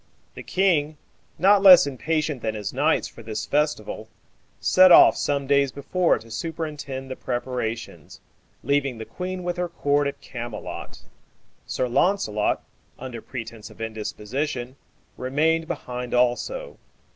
The king, not less impatient than his knights for this festival, set off some days before to superintend the preparations, leaving the queen with her court at Camelot. Sir Launcelot, under pretence of indisposition, remained behind also.